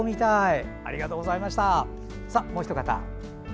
もうお一方。